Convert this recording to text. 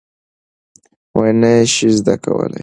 نه یې شې زده کولی؟